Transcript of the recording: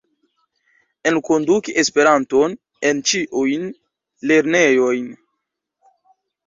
Enkonduki Esperanton en ĉiujn lernejojn.